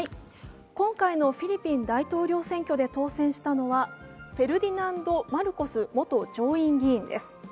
今回のフィリピン大統領選挙で当選したのはフェルディナンド・マルコス元上院議員です。